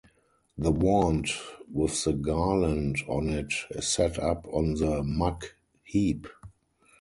The wand with the garland on it is set up on the muck-heap.